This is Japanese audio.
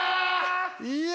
いや！